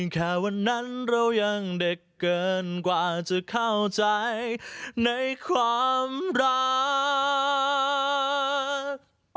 แค่วันนั้นเรายังเด็กเกินกว่าจะเข้าใจในความรัก